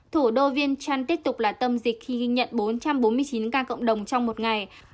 thủ đô viên trăn tiếp tục là tâm dịch khi ghi nhận bốn trăm bốn mươi chín ca cộng đồng trong một ngày